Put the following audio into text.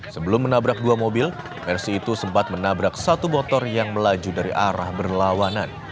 sebelum menabrak dua mobil versi itu sempat menabrak satu motor yang melaju dari arah berlawanan